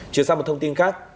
chuyển sang một thông tin khác